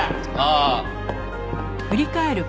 ああ！？